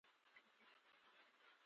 د موټر ښيښه بیا ښکته کړه.